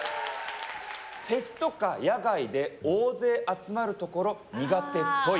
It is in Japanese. フェスとか野外で大勢集まるところ苦手っぽい。